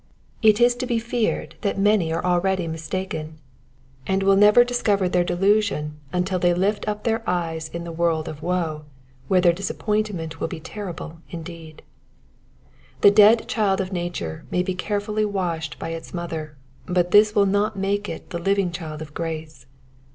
It is to be feared that many are already mistaken, and will never discover their delusion till they lift up their 6 According to the Promise, eyes in the world of woe, where their disappoint ment will be terrible indeed. The dead child of nature may be carefully washed by its mother, but this will not make it the living child of grace.